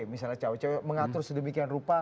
misalnya cawe cawe mengatur sedemikian rupa